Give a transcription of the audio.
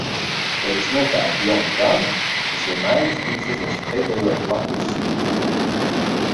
Kad es nopērku jaunu grāmatu, es vienmēr vispirms izlasu pēdējo lappusi.